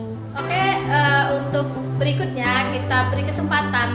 oke untuk berikutnya kita beri kesempatan